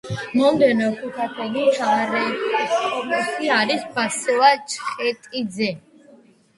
მომდევნო ქუთათელი მთავარეპისკოპოსის არის ბასილი ჩხეტიძე.